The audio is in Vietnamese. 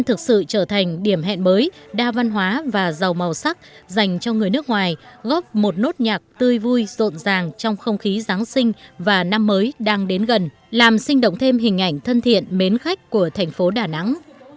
thực sự trở thành điểm hẹn mới đa văn hóa và giàu màu sắc dành cho người nước ngoài góp một nốt nhạc tươi vui rộn ràng trong không khí giáng sinh và năm mới đang đến gần làm sinh động thêm hình ảnh thân thiện mến khách của thành phố đà nẵng